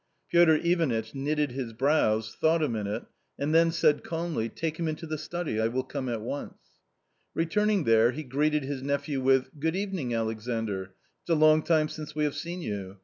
Piotr Ivanitch knitted his brows, thought a minute, and then said calmly :" Take him into the study ; I will come at once/' Returning there, he greeted his nephew with " Good even ing, Alexandr, it's a long time since we have seen you.